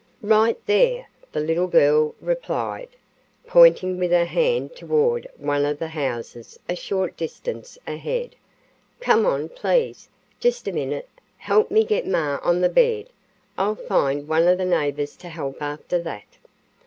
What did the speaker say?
"Right there," the little girl replied, pointing with her hand toward one of the houses a short distance ahead. "Come on, please. Just a minute help me get ma on the bed. I'll find one of the neighbors to help after that."